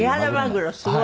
すごい。